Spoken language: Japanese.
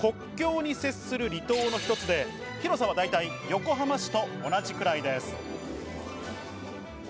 国境に接する離島の一つで広さはだいたい横浜市と同じくらいです。